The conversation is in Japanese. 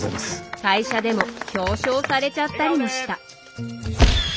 会社でも表彰されちゃったりもした。